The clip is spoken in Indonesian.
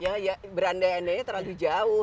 ya ya beranda andanya terlalu jauh